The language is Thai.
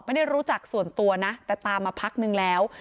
ไม่ได้รู้จักส่วนตัวนะแต่ตามมาพักนึงแล้ว